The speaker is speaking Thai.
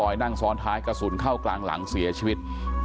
นั่งซ้อนท้ายกระสุนเข้ากลางหลังเสียชีวิต